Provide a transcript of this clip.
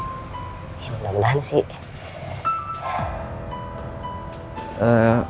ya mudah mudahan sih